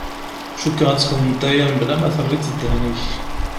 Cukkeɣ txedmeḍ aya mebla ma terriḍ ddehn-ik.